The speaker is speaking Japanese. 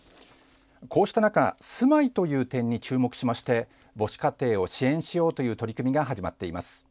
こうした中、住まいという点に注目しまして母子家庭を支援しようという取り組みが始まっています。